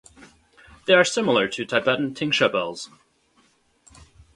They are similar to Tibetan tingsha bells.